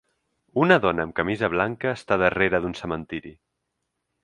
Una dona amb camisa blanca està darrere d'un cementiri.